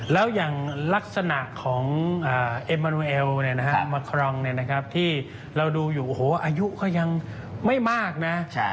แล้วอย่างลักษณะของเอมมันเอลมาครองที่เราดูอยู่โอ้โหอายุก็ยังไม่มากนะ